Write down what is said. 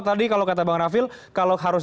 tadi kalau kata bang rafil kalau harus